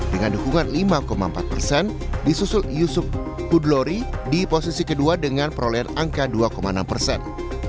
dengan dukungan lima empat persen disusul yusuf pudlori di posisi kedua dengan perolehan angka dua enam persen